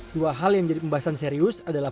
dua hal yang menjadi pembahasan serius adalah